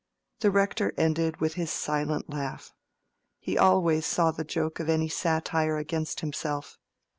The Rector ended with his silent laugh. He always saw the joke of any satire against himself.